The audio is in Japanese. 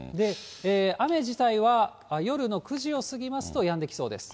雨は夜の９時を過ぎますと、やんできそうです。